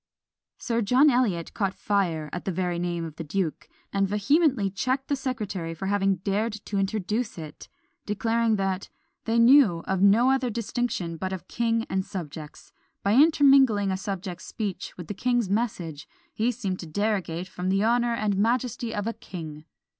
Sir John Eliot caught fire at the very name of the duke, and vehemently checked the secretary for having dared to introduce it; declaring, that "they knew of no other distinction but of king and subjects. By intermingling a subject's speech with the king's message, he seemed to derogate from the honour and majesty of a king.